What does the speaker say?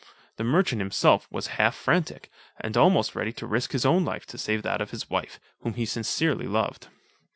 The merchant himself was half frantic, and almost ready to risk his own life to save that of his wife, whom he sincerely loved.